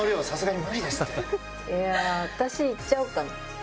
私行っちゃおうかな。